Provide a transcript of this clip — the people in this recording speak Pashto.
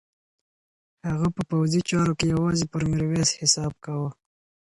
هغه په پوځي چارو کې یوازې پر میرویس حساب کاوه.